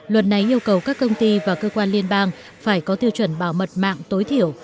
luật này yêu cầu các công ty và cơ quan liên bang phải có tiêu chuẩn bảo mật mạng tối thiểu